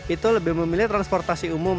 itu lebih memilih transportasi umum